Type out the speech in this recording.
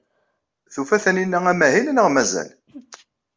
Tufa Taninna amahil neɣ mazal?